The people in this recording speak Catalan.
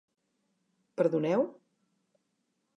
Perdoneu?